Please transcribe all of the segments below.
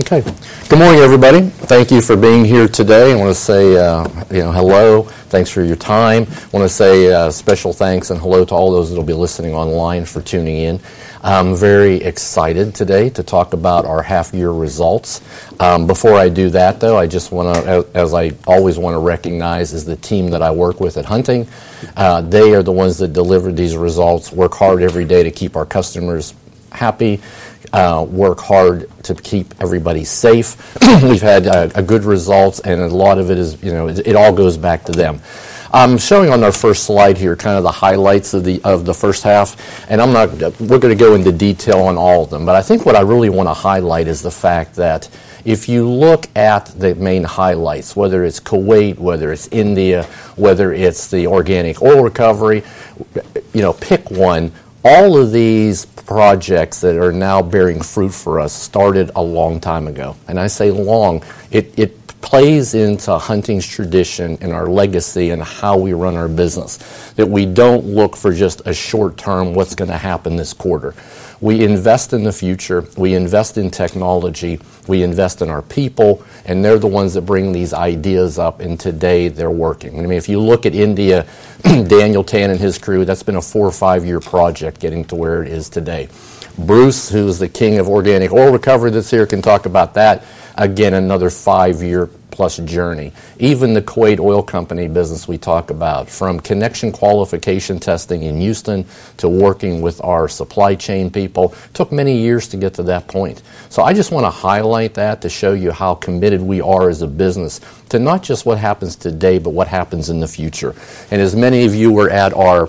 Okay. Good morning, everybody. Thank you for being here today. I want to say, you know, hello, thanks for your time. I want to say a special thanks and hello to all those that will be listening online for tuning in. I'm very excited today to talk about our half-year results. Before I do that, though, I just wanna, as I always want to recognize, is the team that I work with at Hunting. They are the ones that delivered these results, work hard every day to keep our customers happy, work hard to keep everybody safe. We've had a good result, and a lot of it is, you know, it all goes back to them. I'm showing on our first slide here, kind of the highlights of the first half, and I'm not. We're gonna go into detail on all of them, but I think what I really wanna highlight is the fact that if you look at the main highlights, whether it's Kuwait, whether it's India, whether it's the Organic Oil Recovery, you know, pick one. All of these projects that are now bearing fruit for us started a long time ago, and I say long. It plays into Hunting's tradition and our legacy and how we run our business, that we don't look for just a short term, what's gonna happen this quarter. We invest in the future, we invest in technology, we invest in our people, and they're the ones that bring these ideas up, and today, they're working. I mean, if you look at India, Daniel Tan and his crew, that's been a four or five-year project, getting to where it is today. Bruce, who's the king of Organic Oil Recovery, that's here, can talk about that. Again, another five-year-plus journey. Even the Kuwait Oil Company business we talk about, from connection qualification testing in Houston to working with our supply chain people, took many years to get to that point. So I just wanna highlight that to show you how committed we are as a business to not just what happens today, but what happens in the future. And as many of you were at our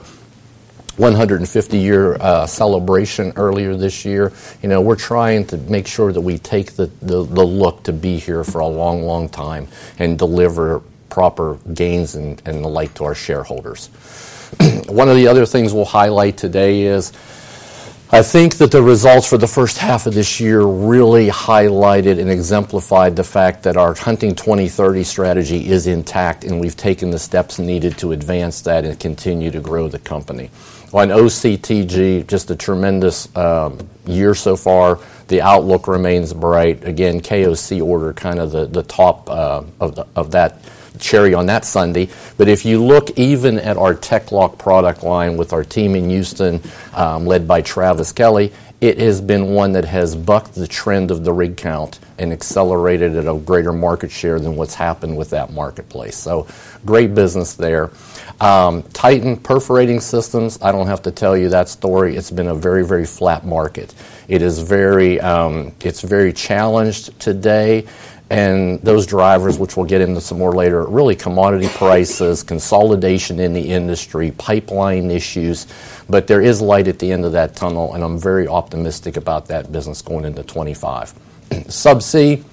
one hundred and fifty year celebration earlier this year, you know, we're trying to make sure that we take the look to be here for a long, long time and deliver proper gains and the like to our shareholders. One of the other things we'll highlight today is, I think that the results for the first half of this year really highlighted and exemplified the fact that our Hunting 2030 Strategy is intact, and we've taken the steps needed to advance that and continue to grow the company. On OCTG, just a tremendous year so far. The outlook remains bright. Again, KOC order, kind of the top of that cherry on that sundae. But if you look even at our TEC-LOCK product line with our team in Houston, led by Travis Kelly, it has been one that has bucked the trend of the rig count and accelerated at a greater market share than what's happened with that marketplace. So great business there. Titan Perforating Systems, I don't have to tell you that story. It's been a very, very flat market. It is very, it's very challenged today, and those drivers, which we'll get into some more later, are really commodity prices, consolidation in the industry, pipeline issues, but there is light at the end of that tunnel, and I'm very optimistic about that business going into 2025. Subsea,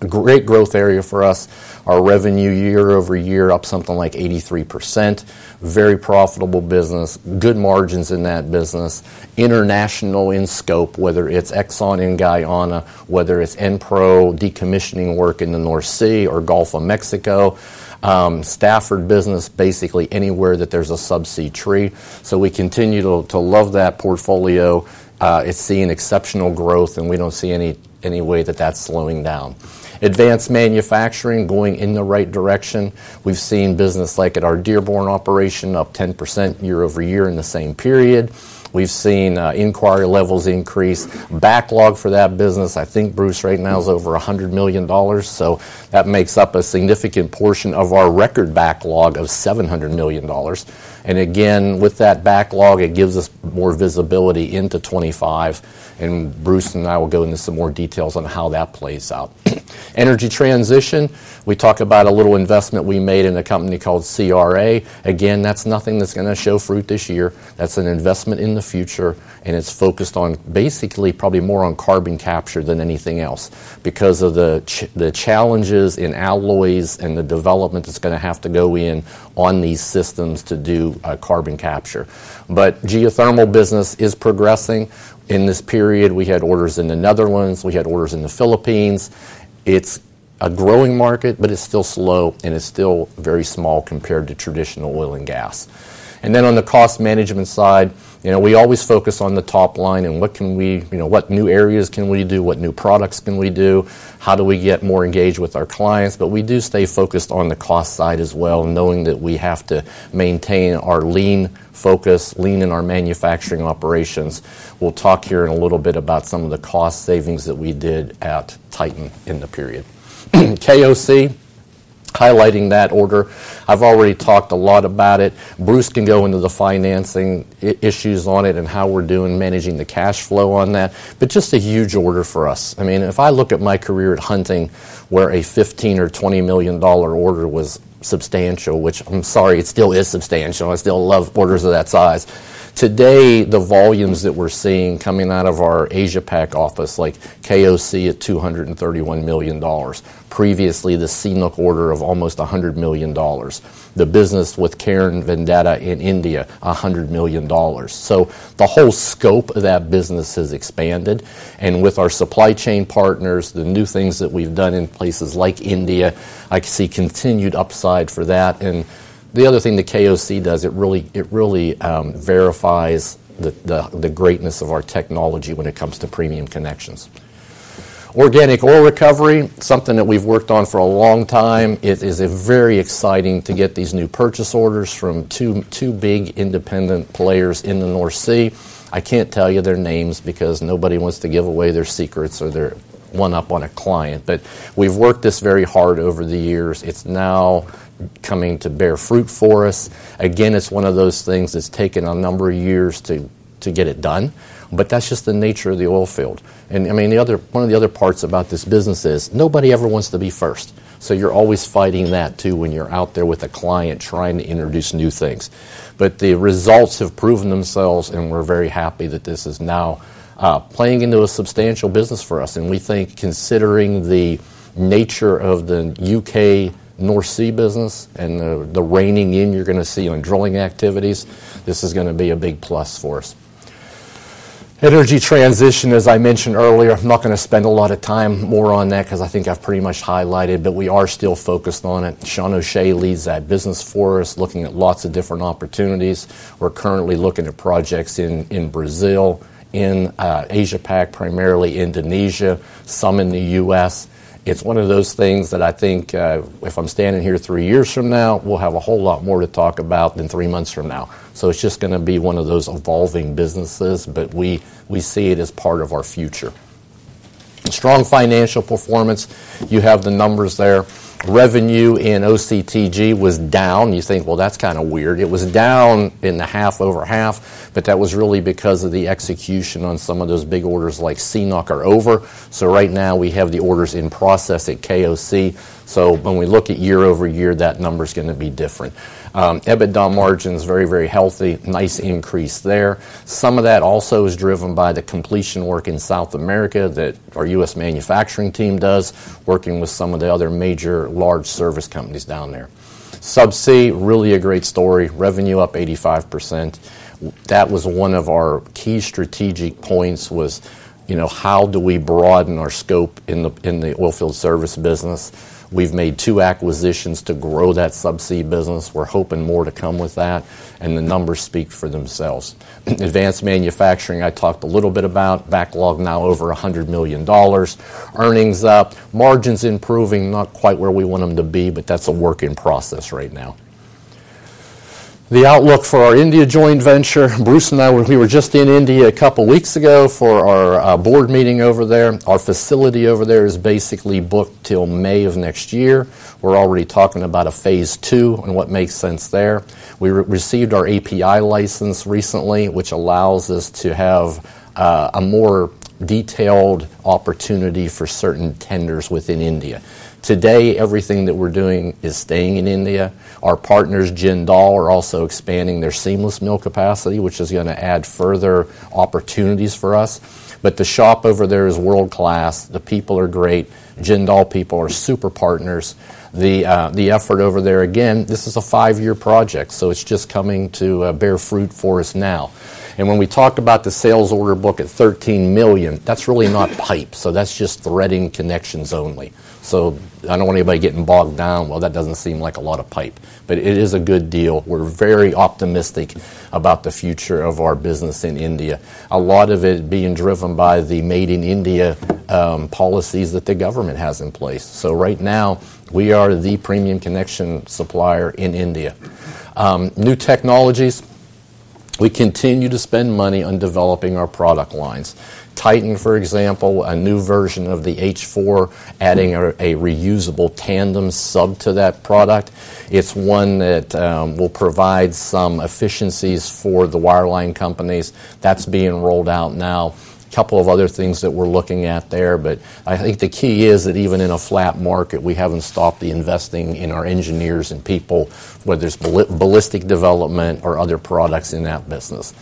a great growth area for us. Our revenue year-over-year, up something like 83%. Very profitable business, good margins in that business. TEC-LOCK International in scope, whether it's Exxon in Guyana, whether it's Enpro, decommissioning work in the North Sea or Gulf of Mexico, subsea business, basically anywhere that there's a subsea tree. So we continue to love that portfolio. It's seeing exceptional growth, and we don't see any way that that's slowing down. Advanced manufacturing going in the right direction. We've seen business like at our Dearborn operation, up 10% year-over-year in the same period. We've seen inquiry levels increase. Backlog for that business, I think, Bruce, right now, is over $100 million, so that makes up a significant portion of our record backlog of $700 million. Again, with that backlog, it gives us more visibility into 2025, and Bruce and I will go into some more details on how that plays out. Energy transition, we talked about a little investment we made in a company called CRA. Again, that's nothing that's gonna show fruit this year. That's an investment in the future, and it's focused on basically, probably more on carbon capture than anything else because of the challenges in alloys and the development that's gonna have to go in on these systems to do carbon capture. But geothermal business is progressing. In this period, we had orders in the Netherlands, we had orders in the Philippines. It's a growing market, but it's still slow, and it's still very small compared to traditional oil and gas. And then on the cost management side, you know, we always focus on the top line and what can we-- you know, what new areas can we do? What new products can we do? How do we get more engaged with our clients? But we do stay focused on the cost side as well, knowing that we have to maintain our lean focus, lean in our manufacturing operations. We'll talk here in a little bit about some of the cost savings that we did at Titan in the period. KOC, highlighting that order, I've already talked a lot about it. Bruce can go into the financing issues on it and how we're doing managing the cash flow on that, but just a huge order for us. I mean, if I look at my career at Hunting, where a 15- or 20-million-dollar order was substantial, which I'm sorry, it still is substantial, I still love orders of that size. Today, the volumes that we're seeing coming out of our Asia Pac office, like KOC at $231 million, previously, the CNOOC order of almost $100 million... The business with Cairn Vedanta in India, $100 million. So the whole scope of that business has expanded, and with our supply chain partners, the new things that we've done in places like India, I see continued upside for that. And the other thing that KOC does, it really verifies the greatness of our technology when it comes to premium connections. Organic oil recovery, something that we've worked on for a long time, it is very exciting to get these new purchase orders from two big independent players in the North Sea. I can't tell you their names because nobody wants to give away their secrets or their one-up on a client, but we've worked this very hard over the years. It's now coming to bear fruit for us. Again, it's one of those things that's taken a number of years to get it done, but that's just the nature of the oilfield. And, I mean, one of the other parts about this business is nobody ever wants to be first. So you're always fighting that too, when you're out there with a client trying to introduce new things. But the results have proven themselves, and we're very happy that this is now playing into a substantial business for us, and we think, considering the nature of the U.K. North Sea business and the reining in you're gonna see on drilling activities, this is gonna be a big plus for us. Energy transition, as I mentioned earlier, I'm not gonna spend a lot of time more on that because I think I've pretty much highlighted, but we are still focused on it. Sean O'Shea leads that business for us, looking at lots of different opportunities. We're currently looking at projects in Brazil, in Asia Pac, primarily Indonesia, some in the U.S.. It's one of those things that I think, if I'm standing here three years from now, we'll have a whole lot more to talk about than three months from now. So it's just gonna be one of those evolving businesses, but we, we see it as part of our future. Strong financial performance, you have the numbers there. Revenue in OCTG was down. You think, well, that's kinda weird. It was down in the half over half, but that was really because of the execution on some of those big orders like CNOOC are over. So right now, we have the orders in process at KOC. So when we look at year-over-year, that number is gonna be different. EBITDA margin is very, very healthy, nice increase there. Some of that also is driven by the completion work in South America that our U.S. manufacturing team does, working with some of the other major large service companies down there. Subsea, really a great story, revenue up 85%. That was one of our key strategic points was, you know, how do we broaden our scope in the, in the oilfield service business? We've made two acquisitions to grow that subsea business. We're hoping more to come with that, and the numbers speak for themselves. Advanced manufacturing, I talked a little bit about, backlog now over $100 million, earnings up, margins improving, not quite where we want them to be, but that's a work in process right now. The outlook for our India joint venture, Bruce and I, we were just in India a couple of weeks ago for our board meeting over there. Our facility over there is basically booked till May of next year. We're already talking about a phase two and what makes sense there. We received our API license recently, which allows us to have a more detailed opportunity for certain tenders within India. Today, everything that we're doing is staying in India. Our partners, Jindal, are also expanding their seamless mill capacity, which is gonna add further opportunities for us. But the shop over there is world-class. The people are great. Jindal people are super partners. The effort over there, again, this is a five-year project, so it's just coming to bear fruit for us now. And when we talked about the sales order book at $13 million, that's really not pipe, so that's just threading connections only. So I don't want anybody getting bogged down. "Well, that doesn't seem like a lot of pipe," but it is a good deal. We're very optimistic about the future of our business in India. A lot of it being driven by the Made in India policies that the government has in place. So right now, we are the premium connection supplier in India. New technologies, we continue to spend money on developing our product lines. Titan, for example, a new version of the H-4, adding a reusable tandem sub to that product. It's one that will provide some efficiencies for the wireline companies. That's being rolled out now. A couple of other things that we're looking at there, but I think the key is that even in a flat market, we haven't stopped the investing in our engineers and people, whether it's ballistic development or other products in that business.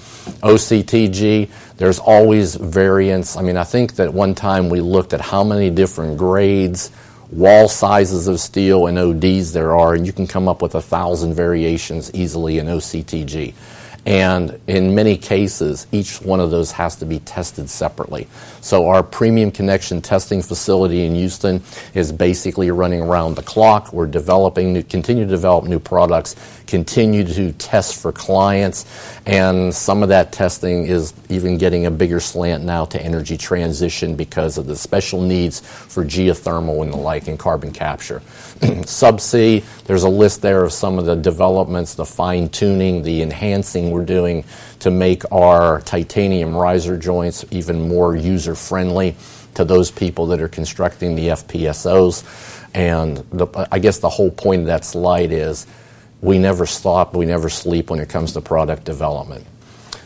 OCTG, there's always variants. I mean, I think that one time we looked at how many different grades, wall sizes of steel, and ODs there are, and you can come up with a thousand variations easily in OCTG. And in many cases, each one of those has to be tested separately. So our premium connection testing facility in Houston is basically running around the clock. We're developing new products, continue to develop new products, continue to do tests for clients, and some of that testing is even getting a bigger slant now to energy transition because of the special needs for geothermal and the like, and carbon capture. Subsea, there's a list there of some of the developments, the fine-tuning, the enhancing we're doing to make our titanium riser joints even more user-friendly to those people that are constructing the FPSOs. And the, I guess the whole point of that slide is we never stop, we never sleep when it comes to product development.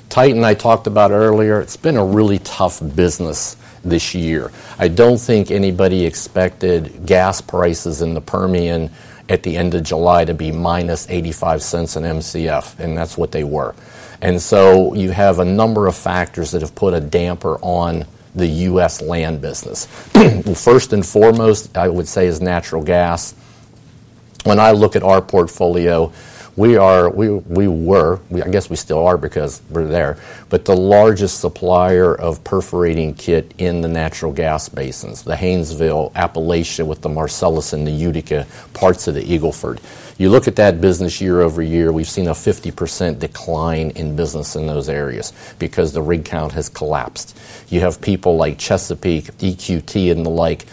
Titan, I talked about earlier, it's been a really tough business this year. I don't think anybody expected gas prices in the Permian at the end of July to be minus $0.85 an Mcf, and that's what they were. And so you have a number of factors that have put a damper on the U.S. land business. First and foremost, I would say, is natural gas.... When I look at our portfolio, we were, I guess we still are because we're there, but the largest supplier of perforating kit in the natural gas basins, the Haynesville, Appalachia, with the Marcellus and the Utica, parts of the Eagle Ford. You look at that business year-over-year, we've seen a 50% decline in business in those areas because the rig count has collapsed. You have people like Chesapeake, EQT, and the like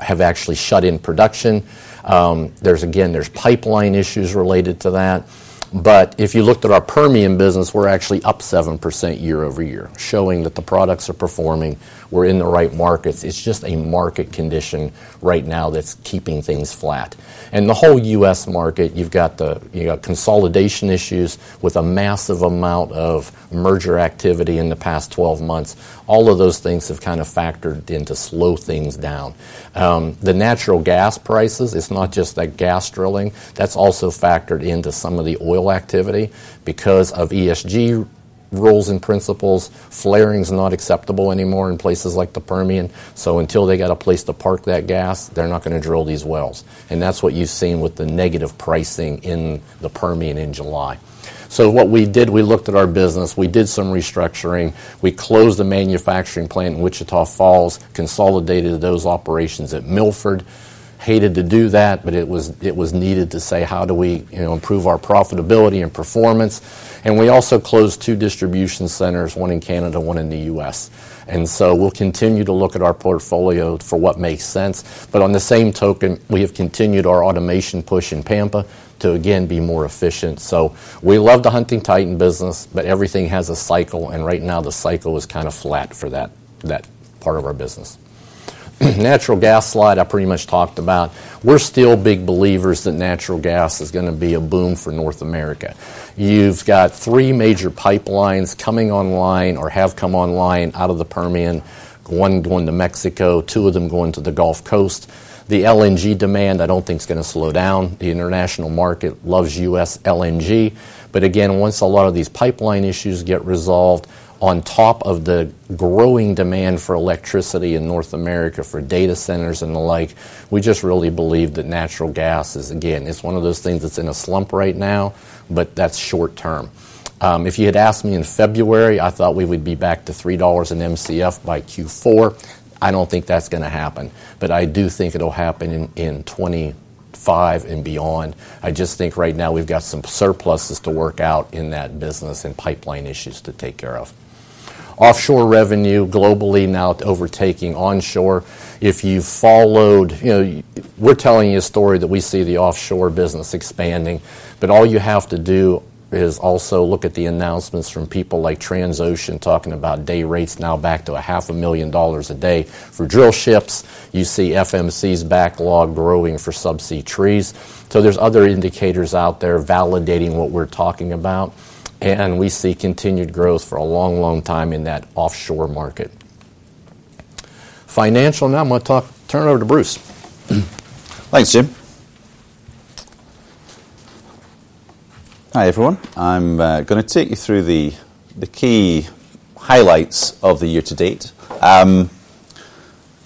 have actually shut in production. Again, there's pipeline issues related to that, but if you looked at our Permian business, we're actually up 7% year-over-year, showing that the products are performing. We're in the right markets. It's just a market condition right now that's keeping things flat. And the whole U.S. market, you've got consolidation issues with a massive amount of merger activity in the past twelve months. All of those things have kind of factored in to slow things down. The natural gas prices, it's not just the gas drilling, that's also factored into some of the oil activity because of ESG rules and principles. Flaring is not acceptable anymore in places like the Permian, so until they get a place to park that gas, they're not gonna drill these wells, and that's what you've seen with the negative pricing in the Permian in July. So what we did, we looked at our business, we did some restructuring. We closed the manufacturing plant in Wichita Falls, consolidated those operations at Milford. Hated to do that, but it was needed to say: How do we, you know, improve our profitability and performance? And we also closed two distribution centers, one in Canada, one in the U.S.. And so we'll continue to look at our portfolio for what makes sense. But on the same token, we have continued our automation push in Pampa to, again, be more efficient. So we love the Hunting Titan business, but everything has a cycle, and right now, the cycle is kind of flat for that part of our business. Natural gas slide, I pretty much talked about. We're still big believers that natural gas is gonna be a boom for North America. You've got three major pipelines coming online or have come online out of the Permian, one going to Mexico, two of them going to the Gulf Coast. The LNG demand, I don't think is gonna slow down. The international market loves U.S. LNG. But again, once a lot of these pipeline issues get resolved, on top of the growing demand for electricity in North America for data centers and the like, we just really believe that natural gas is... Again, it's one of those things that's in a slump right now, but that's short term. If you had asked me in February, I thought we would be back to $3/Mcf by Q4. I don't think that's gonna happen, but I do think it'll happen in 2025 and beyond. I just think right now we've got some surpluses to work out in that business and pipeline issues to take care of. Offshore revenue, globally now overtaking onshore. If you've followed. You know, we're telling you a story that we see the offshore business expanding, but all you have to do is also look at the announcements from people like Transocean, talking about day rates now back to $500,000 a day for drill ships. You see FMC's backlog growing for subsea trees. So there's other indicators out there validating what we're talking about, and we see continued growth for a long, long time in that offshore market. Financial. Now, I'm gonna turn it over to Bruce. Thanks, Jim. Hi, everyone. I'm gonna take you through the key highlights of the year to date.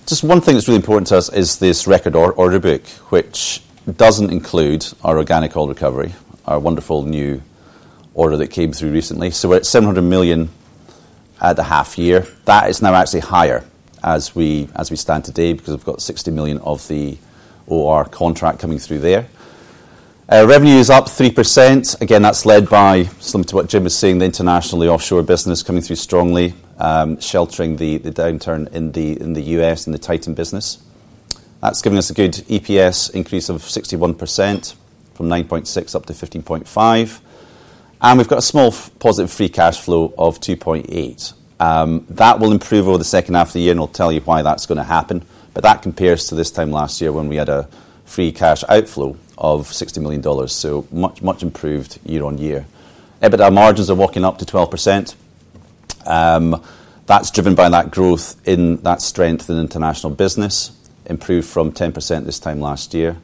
Just one thing that's really important to us is this record order book, which doesn't include our Organic Oil Recovery, our wonderful new order that came through recently. So we're at $700 million at the half year. That is now actually higher as we stand today, because we've got $60 million of the OR contract coming through there. Revenue is up 3%. Again, that's led by, similar to what Jim was saying, the international, the offshore business coming through strongly, sheltering the downturn in the U.S. and the Titan business. That's giving us a good EPS increase of 61%, from 9.6 up to 15.5, and we've got a small positive free cash flow of 2.8. That will improve over the second half of the year, and I'll tell you why that's gonna happen, but that compares to this time last year when we had a free cash outflow of $60 million, so much, much improved year on year. EBITDA margins are walking up to 12%. That's driven by that growth in that strength in international business, improved from 10% this time last year.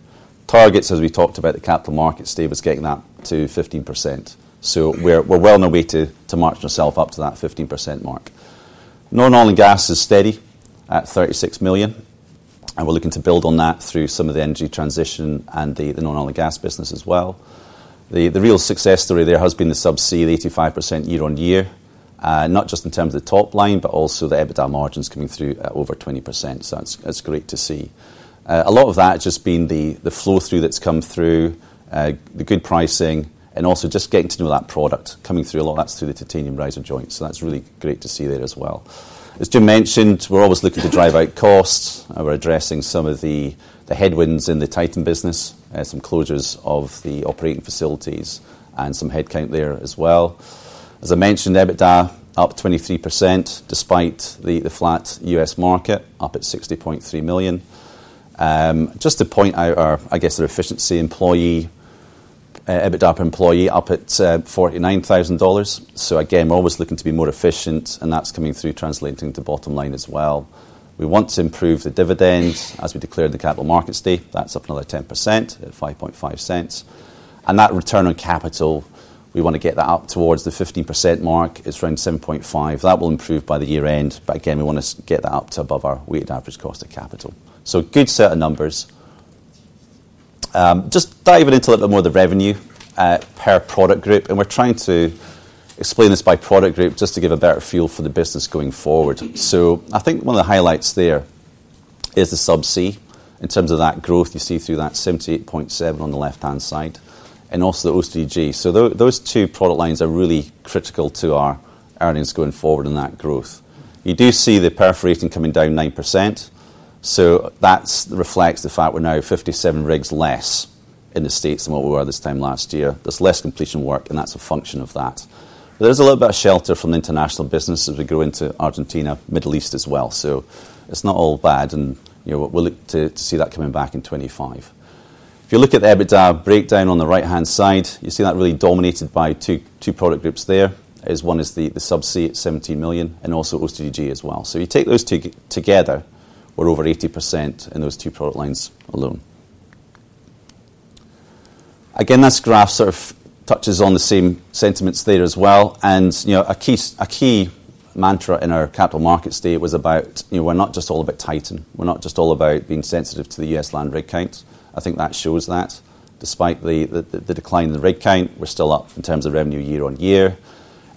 Targets, as we talked about at the Capital Markets Day is getting that to 15%, so we're well on our way to march ourself up to that 15% mark. Non-oil and gas is steady at $36 million, and we're looking to build on that through some of the energy transition and the non-oil and gas business as well. The real success story there has been the subsea, the 85% year on year, not just in terms of the top line, but also the EBITDA margins coming through at over 20%. So that's great to see. A lot of that just being the flow-through that's come through, the good pricing, and also just getting to know that product coming through. A lot of that's through the titanium riser joints, so that's really great to see there as well. As Jim mentioned, we're always looking to drive out costs, and we're addressing some of the headwinds in the Titan business, some closures of the operating facilities and some headcount there as well. As I mentioned, EBITDA up 23%, despite the flat U.S. market, up at $60.3 million. Just to point out our, I guess, the efficiency employee, EBITDA per employee up at $49,000. So again, we're always looking to be more efficient, and that's coming through, translating to bottom line as well. We want to improve the dividend. As we declared the Capital Markets Day, that's up another 10% at $0.055. And that return on capital, we want to get that up towards the 50% mark. It's around 7.5%. That will improve by the year end, but again, we want to get that up to above our weighted average cost of capital. So good set of numbers. Just diving into a little bit more of the revenue, per product group, and we're trying to explain this by product group just to give a better feel for the business going forward. I think one of the highlights there is the Subsea. In terms of that growth, you see through that 78.7 on the left-hand side, and also the OCTG. So those two product lines are really critical to our earnings going forward in that growth. You do see the perforating coming down 9%, so that reflects the fact we're now at 57 rigs less in the States than what we were this time last year. There's less completion work, and that's a function of that. There is a little bit of shelter from the international business as we go into Argentina, Middle East as well, so it's not all bad, and, you know, we'll look to see that coming back in 2025. If you look at the EBITDA breakdown on the right-hand side, you see that really dominated by two product groups there, as one is the Subsea at 17 million and also OCTG as well. So you take those two together, we're over 80% in those two product lines alone. Again, this graph sort of touches on the same sentiments there as well, and, you know, a key mantra in our capital markets day was about, you know, we're not just all about Titan. We're not just all about being sensitive to the U.S. land rig count. I think that shows that. Despite the decline in the rig count, we're still up in terms of revenue year on year,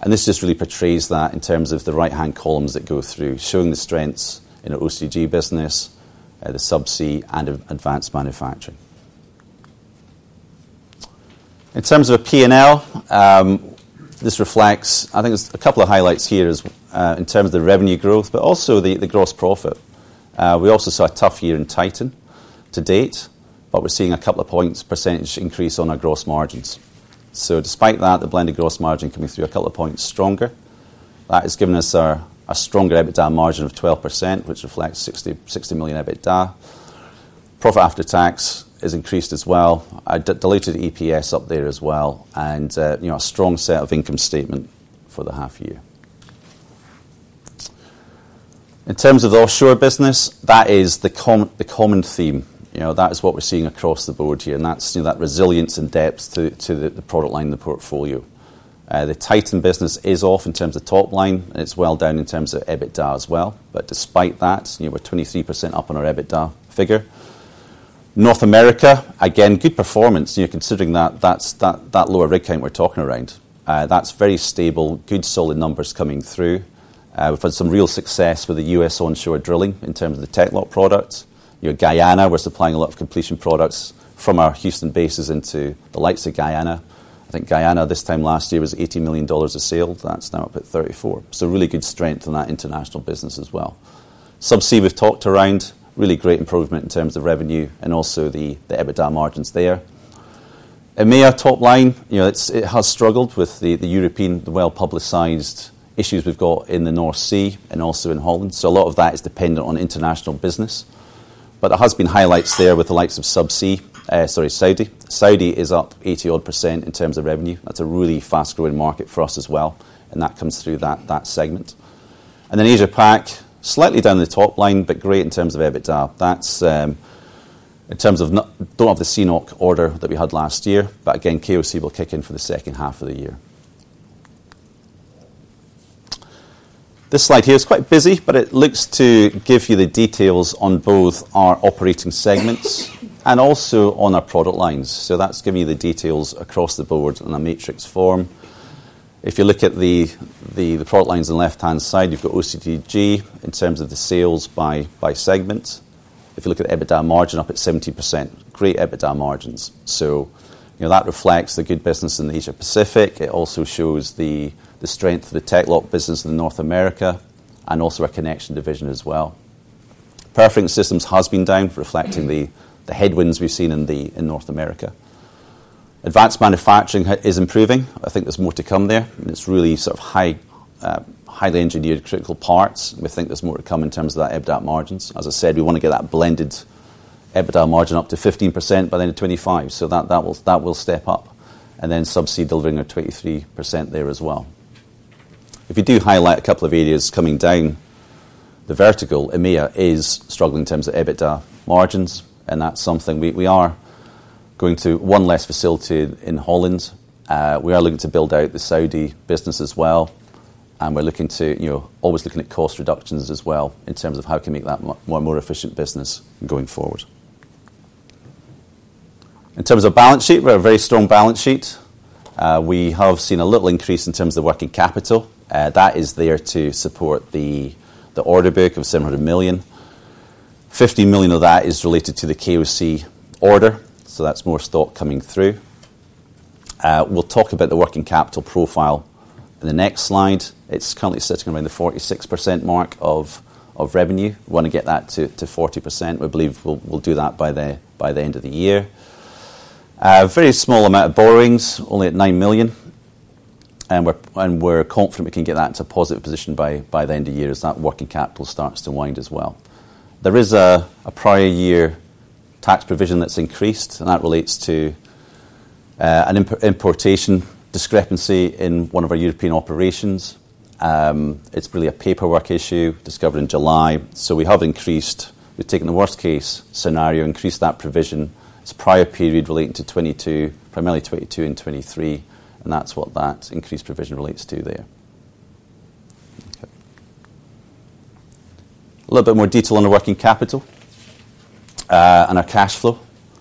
and this just really portrays that in terms of the right-hand columns that go through, showing the strengths in our OCTG business, the Subsea and Advanced Manufacturing. In terms of our P&L, this reflects. I think there's a couple of highlights here as in terms of the revenue growth, but also the gross profit. We also saw a tough year in Titan to date, but we're seeing a couple of points percentage increase on our gross margins. So despite that, the blended gross margin coming through a couple of points stronger, that has given us a stronger EBITDA margin of 12%, which reflects $60 million EBITDA. Profit after tax has increased as well. I deleted EPS up there as well, and, you know, a strong set of income statement for the half year. In terms of the offshore business, that is the common theme. You know, that is what we're seeing across the board here, and that's, you know, that resilience and depth to, to the, the product line in the portfolio. The Titan business is off in terms of top line, and it's well down in terms of EBITDA as well. But despite that, you know, we're 23% up on our EBITDA figure. North America, again, good performance, you know, considering that, that's, that, that lower rig count we're talking around. That's very stable, good, solid numbers coming through. We've had some real success with the U.S. onshore drilling in terms of the TEC-LOCK product. You know, Guyana, we're supplying a lot of completion products from our Houston bases into the likes of Guyana. I think Guyana, this time last year, was $80 million of sales. That's now up at $134 million. So really good strength in that international business as well. Subsea, we've talked around. Really great improvement in terms of revenue and also the EBITDA margins there. EMEA top line, you know, it has struggled with the European, the well-publicized issues we've got in the North Sea and also in Holland, so a lot of that is dependent on international business. But there has been highlights there with the likes of Subsea, Saudi. Saudi is up 80-odd% in terms of revenue. That's a really fast-growing market for us as well, and that comes through that segment. And then Asia Pac, slightly down the top line, but great in terms of EBITDA. That's in terms of, don't have the CNOOC order that we had last year, but again, KOC will kick in for the second half of the year. This slide here is quite busy, but it looks to give you the details on both our operating segments and also on our product lines. So that's giving you the details across the board in a matrix form. If you look at the product lines on the left-hand side, you've got OCTG in terms of the sales by segment. If you look at EBITDA margin, up at 70%. Great EBITDA margins. So, you know, that reflects the good business in the Asia Pacific. It also shows the strength of the TEC-LOCK business in North America and also our Connection division as well. Perforating systems has been down, reflecting the headwinds we've seen in North America. Advanced Manufacturing is improving. I think there's more to come there. It's really sort of high, highly engineered, critical parts. We think there's more to come in terms of that EBITDA margins. As I said, we want to get that blended EBITDA margin up to 15% by the end of 2025, so that will step up, and then Subsea delivering at 23% there as well. If you do highlight a couple of areas coming down, the vertical, EMEA, is struggling in terms of EBITDA margins, and that's something we are going to... One less facility in Holland. We are looking to build out the Saudi business as well, and we're looking to, you know, always looking at cost reductions as well in terms of how can we make that a more efficient business going forward. In terms of balance sheet, we have a very strong balance sheet. We have seen a little increase in terms of working capital. That is there to support the order book of $700 million. $50 million of that is related to the KOC order, so that's more stock coming through. We'll talk about the working capital profile in the next slide. It's currently sitting around the 46% mark of revenue. We wanna get that to 40%. We believe we'll do that by the end of the year. A very small amount of borrowings, only at $9 million, and we're confident we can get that to a positive position by the end of the year as that working capital starts to wind as well. There is a prior year tax provision that's increased, and that relates to an importation discrepancy in one of our European operations. It's really a paperwork issue discovered in July. So we have increased, we've taken the worst case scenario, increased that provision. It's prior period relating to 2022, primarily 2022 and 2023, and that's what that increased provision relates to there. A little bit more detail on the working capital and our cash flow.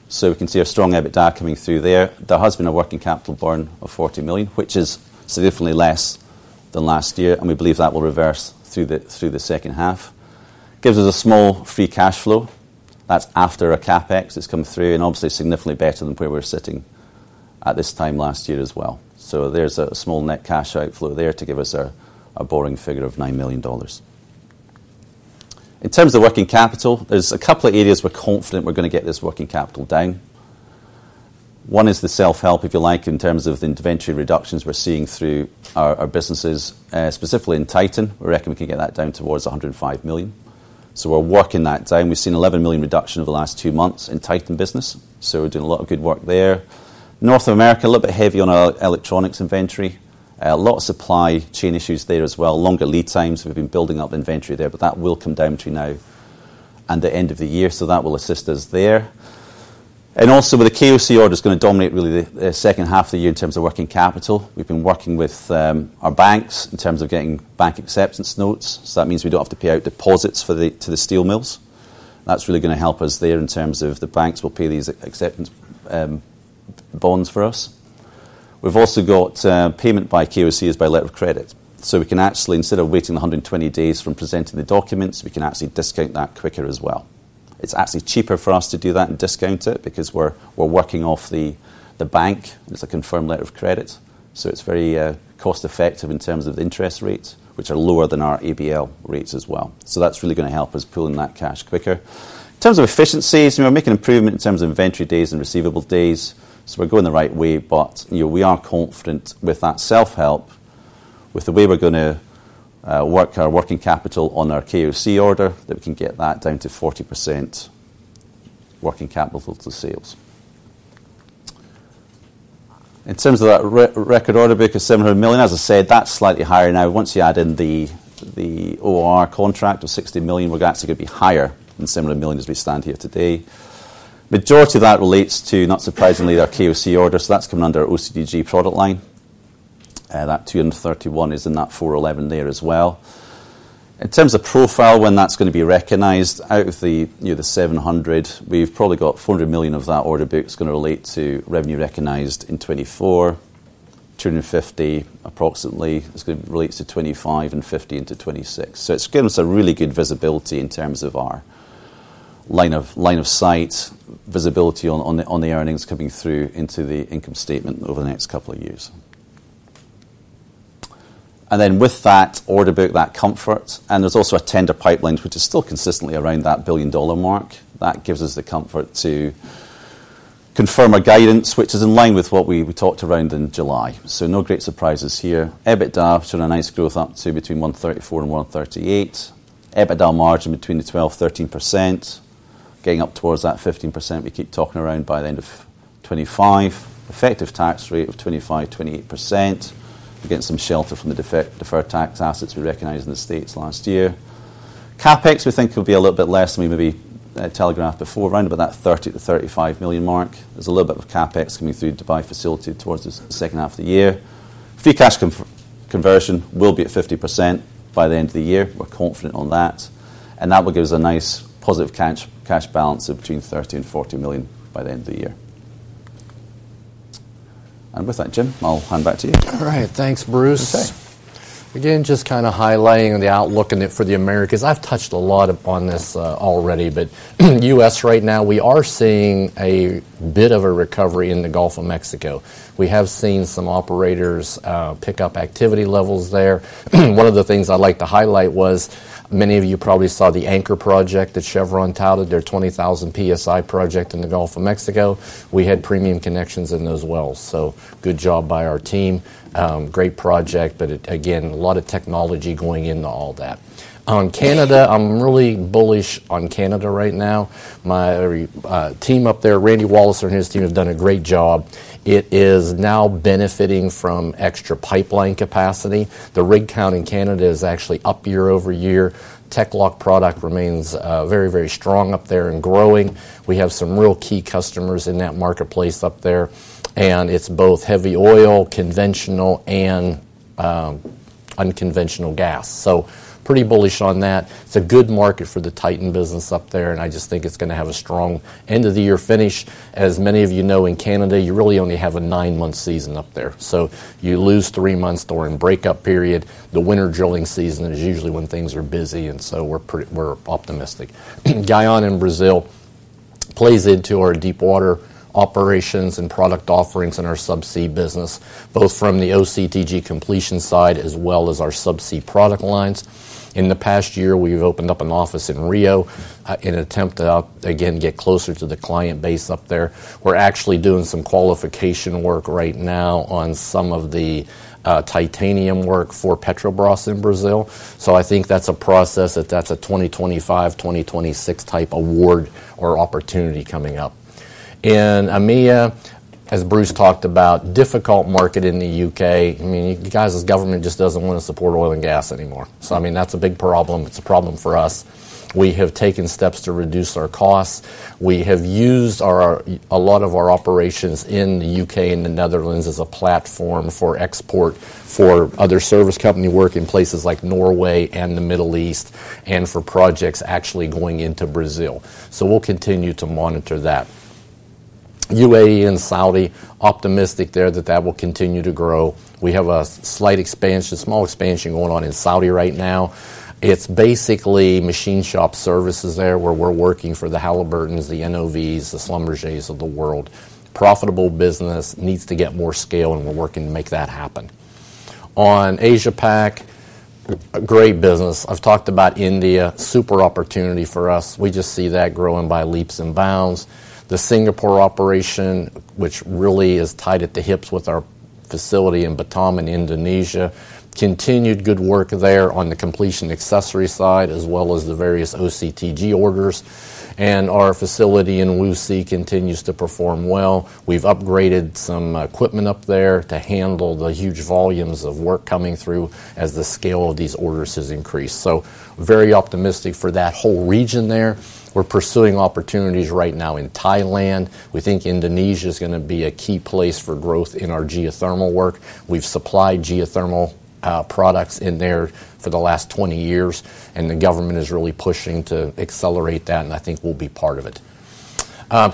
So we can see our strong EBITDA coming through there. There has been a working capital burn of $40 million, which is significantly less than last year, and we believe that will reverse through the second half. Gives us a small free cash flow. That's after our CapEx has come through, and obviously, significantly better than where we were sitting at this time last year as well. So there's a small net cash outflow there to give us a boring figure of $9 million. In terms of working capital, there's a couple of areas we're confident we're gonna get this working capital down. One is the self-help, if you like, in terms of the inventory reductions we're seeing through our businesses, specifically in Titan. We reckon we can get that down towards $105 million. So we're working that down. We've seen $11 million reduction over the last two months in Titan business, so we're doing a lot of good work there. North America, a little bit heavy on our electronics inventory. A lot of supply chain issues there as well, longer lead times. We've been building up inventory there, but that will come down between now and the end of the year, so that will assist us there. And also, with the KOC order, it's gonna dominate really the second half of the year in terms of working capital. We've been working with our banks in terms of getting banker's acceptance notes, so that means we don't have to pay out deposits to the steel mills. That's really gonna help us there in terms of the banks will pay these acceptance bonds for us. We've also got payment by KOC is by letter of credit. So we can actually, instead of waiting a hundred and twenty days from presenting the documents, we can actually discount that quicker as well. It's actually cheaper for us to do that and discount it because we're working off the bank. It's a confirmed letter of credit, so it's very cost-effective in terms of interest rates, which are lower than our ABL rates as well. So that's really gonna help us pull in that cash quicker. In terms of efficiencies, we're making improvement in terms of inventory days and receivable days, so we're going the right way, but you know, we are confident with that self-help, with the way we're gonna work our working capital on our KOC order, that we can get that down to 40% working capital to sales. In terms of that record order book of $700 million, as I said, that's slightly higher now. Once you add in the OOR contract of $60 million, we're actually gonna be higher than $700 million as we stand here today. Majority of that relates to, not surprisingly, our KOC order, so that's coming under our OCTG product line. That 231 is in that 411 there as well. In terms of profile, when that's gonna be recognized, out of the, you know, the seven hundred, we've probably got $400 million of that order book is gonna relate to revenue recognized in 2024, 250, approximately, is gonna relates to 2025 and 50 into 2026. So it's given us a really good visibility in terms of our line of sight visibility on the earnings coming through into the income statement over the next couple of years. And then with that order book, that comfort, and there's also a tender pipeline, which is still consistently around that billion-dollar mark. That gives us the comfort to confirm our guidance, which is in line with what we talked around in July. So no great surprises here. EBITDA, showing a nice growth up to between $134 million and $138 million. EBITDA margin between 12% and 13%, getting up towards that 15% we keep talking around by the end of 2025. Effective tax rate of 25%-28%. We're getting some shelter from the deferred tax assets we recognized in the States last year. CapEx, we think, will be a little bit less than we maybe telegraphed before, around about that $30-$35 million mark. There's a little bit of CapEx coming through Dubai facility towards the second half of the year. Free cash conversion will be at 50% by the end of the year. We're confident on that, and that will give us a nice, positive cash balance of between $30 and $40 million by the end of the year. With that, Jim, I'll hand back to you. All right. Thanks, Bruce. Okay. Again, just kind of highlighting the outlook in it for the Americas. I've touched a lot upon this already, but U.S. right now, we are seeing a bit of a recovery in the Gulf of Mexico. We have seen some operators pick up activity levels there. One of the things I'd like to highlight was, many of you probably saw the Anchor Project that Chevron touted, their 20,000 PSI project in the Gulf of Mexico. We had premium connections in those wells, so good job by our team. Great project, but again, a lot of technology going into all that. On Canada, I'm really bullish on Canada right now. My team up there, Randy Walliser and his team, have done a great job. It is now benefiting from extra pipeline capacity. The rig count in Canada is actually up year-over-year. TEC-LOCK product remains very, very strong up there and growing. We have some real key customers in that marketplace up there, and it's both heavy oil, conventional, and unconventional gas. So pretty bullish on that. It's a good market for the Titan business up there, and I just think it's gonna have a strong end-of-the-year finish. As many of you know, in Canada, you really only have a nine-month season up there. So you lose three months during breakup period. The winter drilling season is usually when things are busy, and so we're pretty optimistic. Guyana and Brazil plays into our deep water operations and product offerings in our subsea business, both from the OCTG completion side as well as our subsea product lines. In the past year, we've opened up an office in Rio in an attempt to again get closer to the client base up there. We're actually doing some qualification work right now on some of the titanium work for Petrobras in Brazil, so I think that's a process that's a 2025, 2026 type award or opportunity coming up. In EMEA as Bruce talked about, difficult market in the U.K. I mean, you guys' government just doesn't want to support oil and gas anymore. So, I mean, that's a big problem. It's a problem for us. We have taken steps to reduce our costs. We have used a lot of our operations in the U.K. and the Netherlands as a platform for export for other service company work in places like Norway and the Middle East, and for projects actually going into Brazil. So we'll continue to monitor that. UAE and Saudi, optimistic there that that will continue to grow. We have a slight expansion, small expansion going on in Saudi right now. It's basically machine shop services there, where we're working for the Halliburtons, the NOVs, the Schlumbergers of the world. Profitable business, needs to get more scale, and we're working to make that happen. On Asia Pac, a great business. I've talked about India, super opportunity for us. We just see that growing by leaps and bounds. The Singapore operation, which really is tied at the hips with our facility in Batam, in Indonesia, continued good work there on the completion accessory side, as well as the various OCTG orders. And our facility in Wuxi continues to perform well. We've upgraded some equipment up there to handle the huge volumes of work coming through as the scale of these orders has increased. So very optimistic for that whole region there. We're pursuing opportunities right now in Thailand. We think Indonesia is gonna be a key place for growth in our geothermal work. We've supplied geothermal products in there for the last twenty years, and the government is really pushing to accelerate that, and I think we'll be part of it.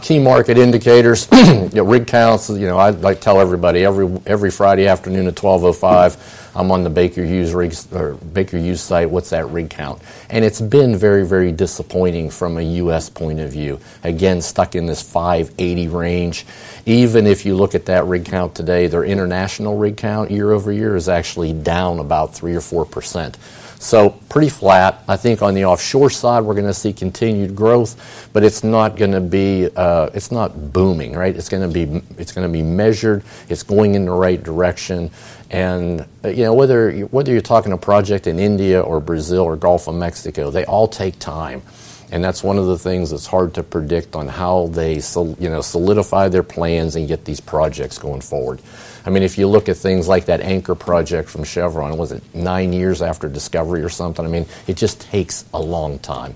Key market indicators. You know, rig counts, you know, I like tell everybody, every Friday afternoon at 12:05 P.M., I'm on the Baker Hughes rig count or Baker Hughes site. What's that rig count? And it's been very, very disappointing from a U.S. point of view. Again, stuck in this 580 range. Even if you look at that rig count today, their international rig count, year-over-year, is actually down about three or four%. So pretty flat. I think on the offshore side, we're gonna see continued growth, but it's not gonna be, it's not booming, right? It's gonna be measured. It's going in the right direction. And, you know, whether you're talking a project in India or Brazil or Gulf of Mexico, they all take time, and that's one of the things that's hard to predict on how they solidify their plans and get these projects going forward. I mean, if you look at things like that Anchor Project from Chevron, was it nine years after discovery or something? I mean, it just takes a long time.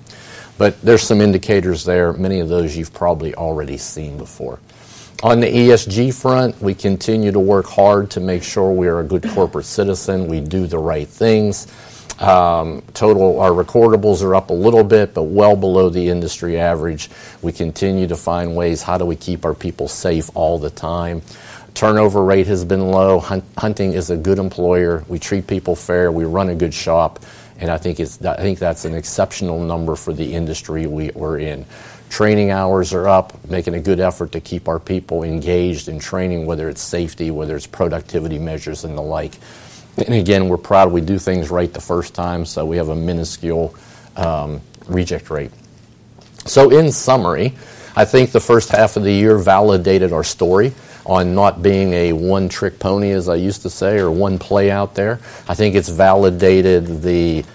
But there's some indicators there, many of those you've probably already seen before. On the ESG front, we continue to work hard to make sure we are a good corporate citizen. We do the right things. Total, our recordables are up a little bit, but well below the industry average. We continue to find ways, how do we keep our people safe all the time? Turnover rate has been low. Hunting is a good employer. We treat people fair. We run a good shop, and I think that's an exceptional number for the industry we're in. Training hours are up, making a good effort to keep our people engaged in training, whether it's safety, whether it's productivity measures and the like. Again, we're proud we do things right the first time, so we have a minuscule reject rate. So in summary, I think the first half of the year validated our story on not being a one-trick pony, as I used to say, or one play out there. I think it's validated the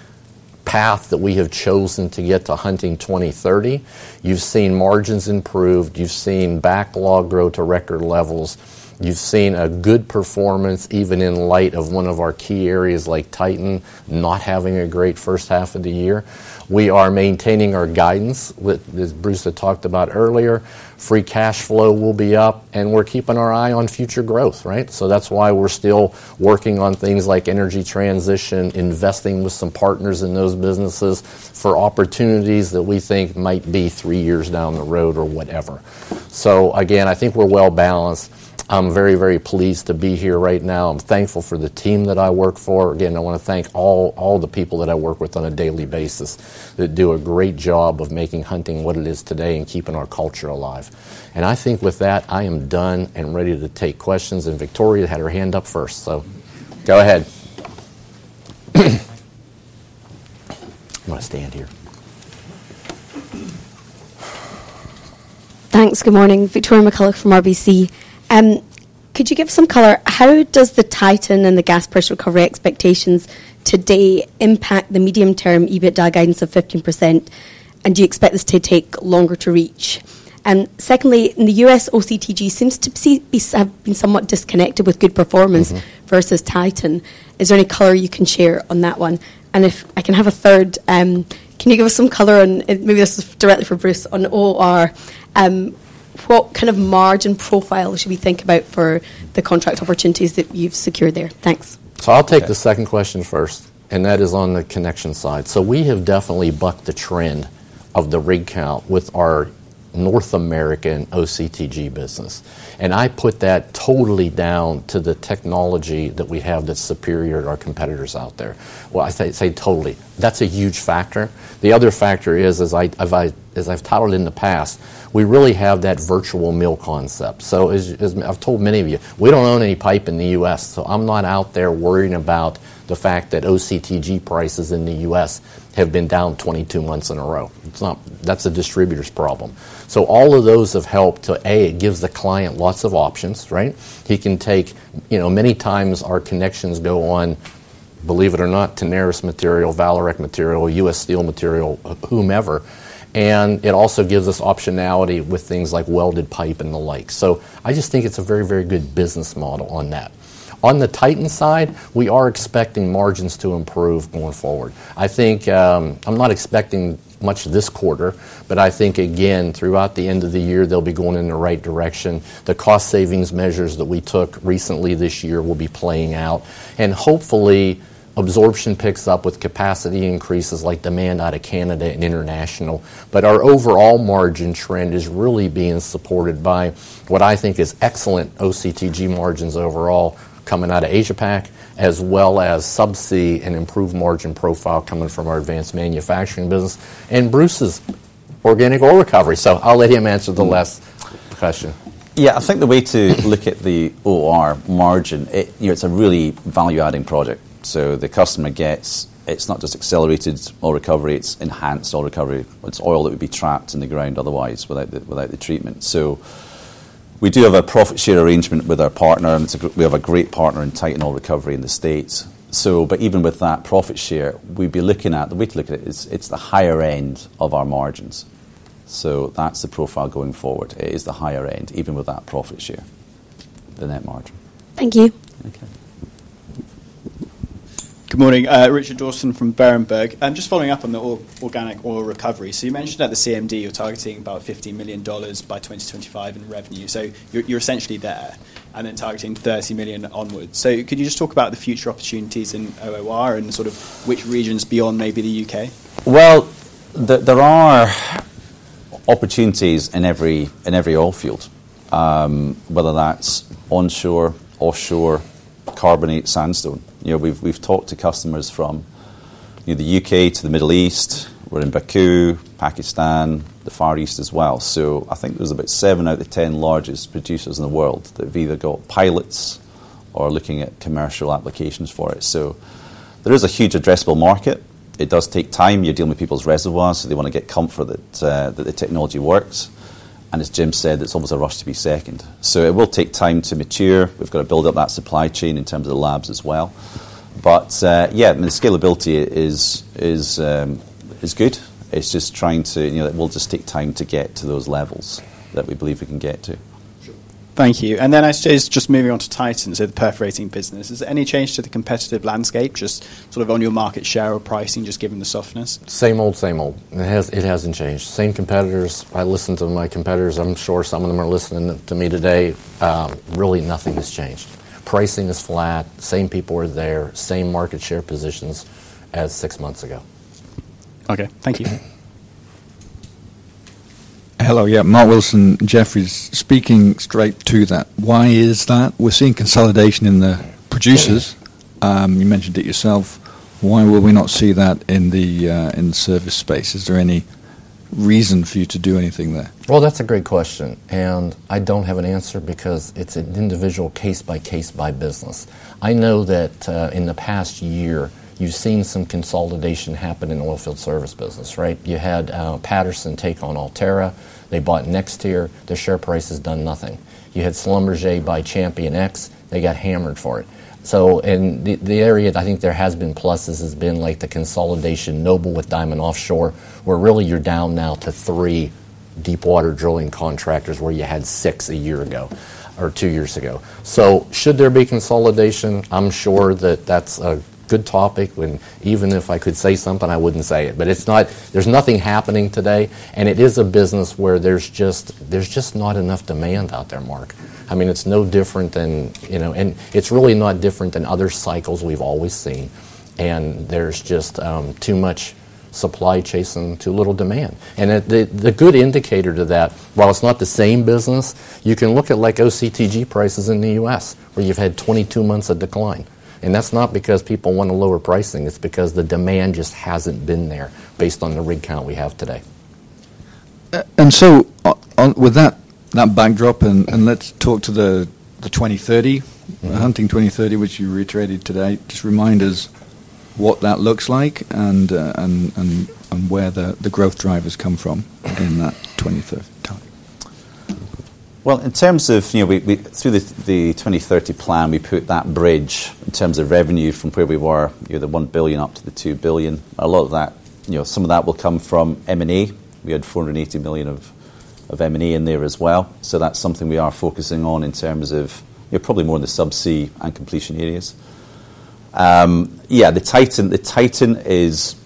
path that we have chosen to get to Hunting twenty thirty. You've seen margins improved. You've seen backlog grow to record levels. You've seen a good performance, even in light of one of our key areas, like Titan, not having a great first half of the year. We are maintaining our guidance, with, as Bruce had talked about earlier. Free cash flow will be up, and we're keeping our eye on future growth, right? So that's why we're still working on things like energy transition, investing with some partners in those businesses, for opportunities that we think might be three years down the road or whatever. So again, I think we're well-balanced. I'm very, very pleased to be here right now. I'm thankful for the team that I work for. Again, I want to thank all the people that I work with on a daily basis, that do a great job of making Hunting what it is today and keeping our culture alive. And I think with that, I am done and ready to take questions, and Victoria had her hand up first, so go ahead. I'm gonna stand here. Thanks. Good morning, Victoria McCullough from RBC. Could you give some color? How does the Titan and the gas price recovery expectations today impact the medium-term EBITDA guidance of 15%, and do you expect this to take longer to reach? And secondly, in the U.S., OCTG seems to have been somewhat disconnected with good performance- Mm-hmm. -versus Titan. Is there any color you can share on that one? And if I can have a third, can you give us some color on, and maybe this is directly for Bruce, on OOR, what kind of margin profile should we think about for the contract opportunities that you've secured there? Thanks. So I'll take the second question first, and that is on the connection side. We have definitely bucked the trend of the rig count with our North American OCTG business, and I put that totally down to the technology that we have that's superior to our competitors out there. Well, I say totally. That's a huge factor. The other factor is, as I've touted in the past, we really have that virtual mill concept. So as I've told many of you, we don't own any pipe in the U.S., so I'm not out there worrying about the fact that OCTG prices in the U.S. have been down 22 months in a row. It's not... That's a distributor's problem. So all of those have helped to. A, it gives the client lots of options, right? He can take, you know, many times our connections go onto believe it or not, Tenaris material, Vallourec material, U.S. Steel material, whomever, and it also gives us optionality with things like welded pipe and the like. So I just think it's a very, very good business model on that. On the Titan side, we are expecting margins to improve going forward. I think, I'm not expecting much this quarter, but I think, again, throughout the end of the year, they'll be going in the right direction. The cost savings measures that we took recently this year will be playing out, and hopefully, absorption picks up with capacity increases like demand out of Canada and international. But our overall margin trend is really being supported by what I think is excellent OCTG margins overall coming out of Asia Pac, as well as subsea and improved margin profile coming from our advanced manufacturing business, and Bruce's Organic Oil Recovery. So I'll let him answer the last question. Yeah, I think the way to look at the OR margin, you know, it's a really value-adding product. So the customer gets, it's not just accelerated oil recovery, it's enhanced oil recovery. It's oil that would be trapped in the ground otherwise without the, without the treatment. So we do have a profit share arrangement with our partner, and it's a great partner in Titan Oil Recovery in the States. So, but even with that profit share, we'd be looking at... the way to look at it is it's the higher end of our margins. So that's the profile going forward. It is the higher end, even with that profit share, the net margin. Thank you. Good morning. Richard Dawson from Berenberg. Just following up on the Organic Oil Recovery. So you mentioned at the CMD, you're targeting about $50 million by 2025 in revenue. So you're essentially there, and then targeting $30 million onwards. So could you just talk about the future opportunities in OOR and sort of which regions beyond maybe the U.K.? There are opportunities in every oilfield, whether that's onshore, offshore, carbonate, sandstone. You know, we've talked to customers from, you know, the U.K. to the Middle East. We're in Baku, Pakistan, the Far East as well. I think there's about seven out of the ten largest producers in the world that have either got pilots or are looking at commercial applications for it. There is a huge addressable market. It does take time. You're dealing with people's reservoirs, so they want to get comfort that the technology works, and as Jim said, it's almost a rush to be second. It will take time to mature. We've got to build up that supply chain in terms of the labs as well. But yeah, the scalability is good. It's just trying to, you know, it will just take time to get to those levels that we believe we can get to. Sure. Thank you. And then I say, just moving on to Titan, so the perforating business. Is there any change to the competitive landscape, just sort of on your market share or pricing, just given the softness? Same old, same old. It has, it hasn't changed. Same competitors. I listen to my competitors. I'm sure some of them are listening to me today. Really, nothing has changed. Pricing is flat, same people are there, same market share positions as six months ago. Okay, thank you. Hello. Yeah, Mark Wilson, Jefferies. Speaking straight to that, why is that? We're seeing consolidation in the producers. Yeah. You mentioned it yourself. Why will we not see that in the service space? Is there any reason for you to do anything there? That's a great question, and I don't have an answer because it's an individual case by case by business. I know that, in the past year, you've seen some consolidation happen in the oilfield service business, right? You had, Patterson take on Ulterra, they bought NexTier. Their share price has done nothing. You had Schlumberger buy ChampionX, they got hammered for it. So in the area that I think there has been pluses has been like the consolidation, Noble with Diamond Offshore, where really you're down now to three deepwater drilling contractors, where you had six a year ago or two years ago. So should there be consolidation? I'm sure that that's a good topic, and even if I could say something, I wouldn't say it. But it's not. There's nothing happening today, and it is a business where there's just not enough demand out there, Mark. I mean, it's no different than, you know. And it's really not different than other cycles we've always seen, and there's just too much supply chasing too little demand. And the good indicator to that, while it's not the same business, you can look at, like, OCTG prices in the U.S., where you've had twenty-two months of decline. And that's not because people want a lower pricing, it's because the demand just hasn't been there based on the rig count we have today. So, on with that backdrop, and let's talk to the twenty thirty- Mm. Hunting 2030, which you reiterated today. Just remind us what that looks like and where the growth drivers come from in that 2030 target? In terms of, you know, we through the 20-30 plan, we put that bridge in terms of revenue from where we were, you know, the $1 billion up to the $2 billion. A lot of that, you know, some of that will come from M&A. We had $480 million of M&A in there as well. So that's something we are focusing on in terms of, you know, probably more in the subsea and completion areas. The Titan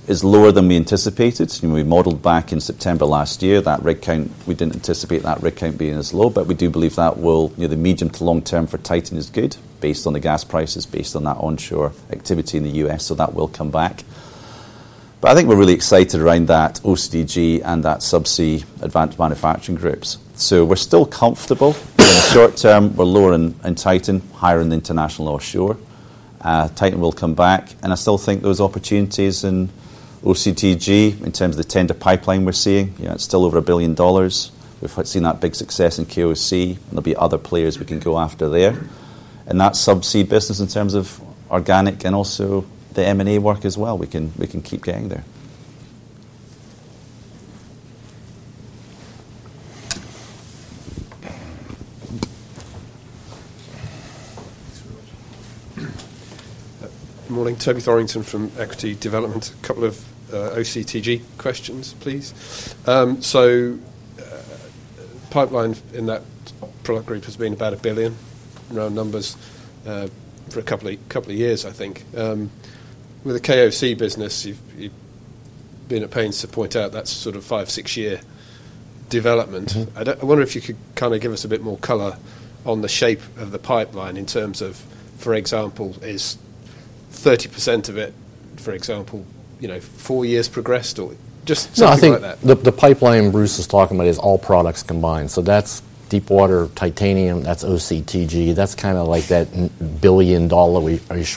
is lower than we anticipated. You know, we modeled back in September last year, that rig count, we didn't anticipate that rig count being as low, but we do believe that will. You know, the medium to long term for Titan is good based on the gas prices, based on that onshore activity in the U.S., so that will come back. But I think we're really excited around that OCTG and that Subsea, Advanced Manufacturing groups. We're still comfortable. In the short term, we're lower in Titan, higher in the international offshore. Titan will come back, and I still think there was opportunities in OCTG in terms of the tender pipeline we're seeing. You know, it's still over $1 billion. We've seen that big success in KOC. There'll be other players we can go after there. In that subsea business, in terms of organic and also the M&A work as well, we can keep getting there.... Good morning, Toby Thorrington from Equity Development. A couple of OCTG questions, please. So, pipeline in that product group has been about $1 billion, round numbers, for a couple of years, I think. With the KOC business, you've been at pains to point out that's sort of five- to six-year development. Mm-hmm. I wonder if you could kind of give us a bit more color on the shape of the pipeline in terms of, for example, is 30% of it, for example, you know, four years progressed or just something like that? I think the pipeline Bruce is talking about is all products combined, so that's deepwater titanium, that's OCTG, that's kind of like that $10 billion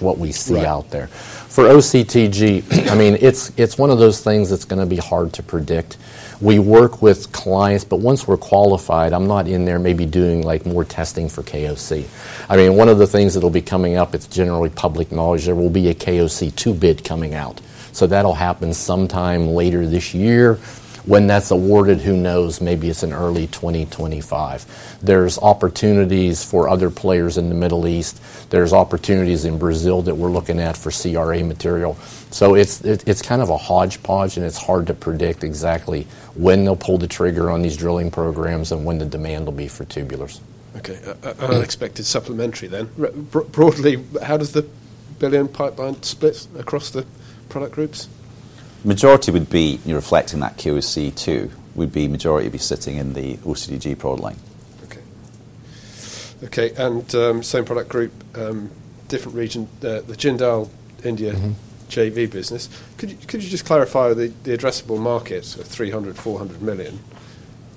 what we see out there. Right. For OCTG, I mean, it's one of those things that's gonna be hard to predict. We work with clients, but once we're qualified, I'm not in there maybe doing, like, more testing for KOC. I mean, one of the things that'll be coming up, it's generally public knowledge, there will be a KOC 2 bid coming out. So that'll happen sometime later this year. When that's awarded, who knows? Maybe it's in early twenty twenty-five. There's opportunities for other players in the Middle East. There's opportunities in Brazil that we're looking at for CRA material. So it's kind of a hodgepodge, and it's hard to predict exactly when they'll pull the trigger on these drilling programs and when the demand will be for tubulars. Okay. Unexpected supplementary then. Broadly, how does the billion pipeline split across the product groups? Majority would be, you know, reflecting that KOC too would be majority sitting in the OCTG product line. Okay. Okay, and, same product group, different region, the Jindal India-... JV business. Could you just clarify the addressable market of 300-400 million?